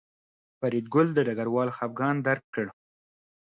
فریدګل د ډګروال خپګان درک کړ